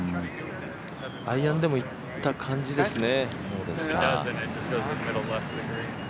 アイアンでもいった感じですね。